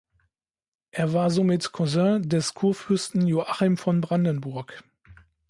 Er war somit Cousin des Kurfürsten Joachim von Brandenburg.